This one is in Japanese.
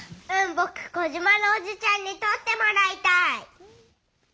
ぼくコジマのおじちゃんにとってもらいたい。